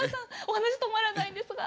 お話止まらないんですが。